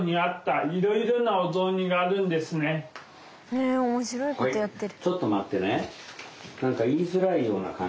へえ面白いことやってる。